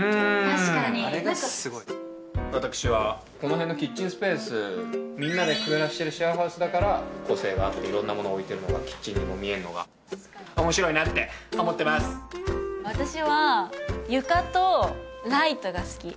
確かにあれがすごい私はこの辺のキッチンスペースみんなで暮らしてるシェアハウスだから個性があって色んなもの置いてるのがキッチンにも見えんのが私は床とライトが好き